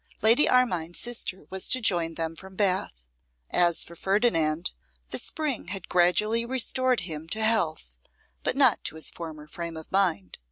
Lady Armine's sister was to join them from Bath. As for Ferdinand, the spring had gradually restored him to health, but not to his former frame of mind.